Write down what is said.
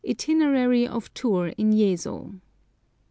B. ITINERARY of TOUR in YEZO.